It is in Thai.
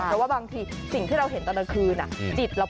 แต่ว่าบางทีสิ่งที่เราเห็นตลาดคืนน่ะ